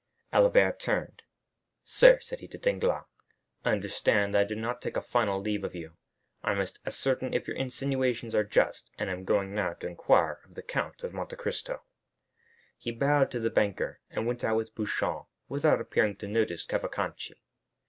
Albert turned. "Sir," said he to Danglars, "understand that I do not take a final leave of you; I must ascertain if your insinuations are just, and am going now to inquire of the Count of Monte Cristo." He bowed to the banker, and went out with Beauchamp, without appearing to notice Cavalcanti.